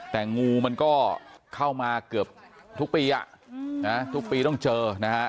แต่งูมันก็เข้ามาเกือบทุกปีทุกปีต้องเจอนะฮะ